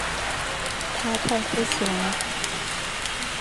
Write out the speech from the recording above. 他痛哭起来